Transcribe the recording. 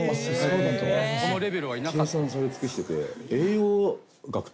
「計算され尽くしてて」